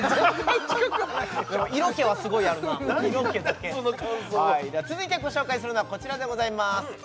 色気はすごいあるな色気だけ何その感想続いてご紹介するのはこちらでございます